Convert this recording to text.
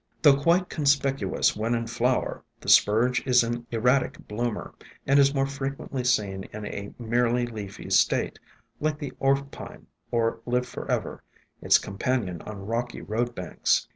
Though quite conspicuous when in flower, the Spurge is an 72 ESCAPED FROM GARDENS erratic bloomer, and is more frequently seen in a merely leafy state, like the Orpine or Live forever, its companion on rocky road banks.